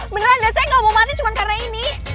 beneran dasarnya gak mau mati cuma karena ini